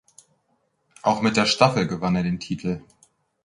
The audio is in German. Auch mit der Staffel gewann er den Titel.